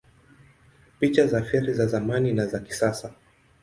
Picha za feri za zamani na za kisasa